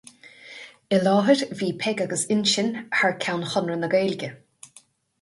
I láthair, bhí Peig agus Uinsionn thar ceann Chonradh na Gaeilge.